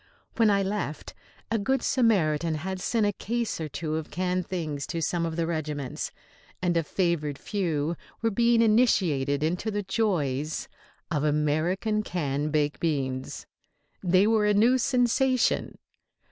When I left, a good Samaritan had sent a case or two of canned things to some of the regiments, and a favoured few were being initiated into the joys of American canned baked beans. They were a new sensation.